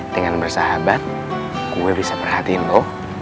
dengan bersahabat gue bisa perhatiin lo